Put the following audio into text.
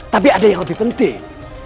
tapi ada yang lebih penting